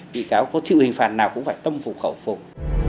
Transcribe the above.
và tâm phục khẩu phục